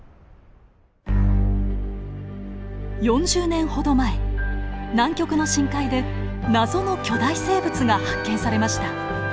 ４０年ほど前南極の深海で謎の巨大生物が発見されました。